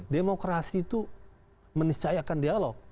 demokrasi itu menisayakan dialog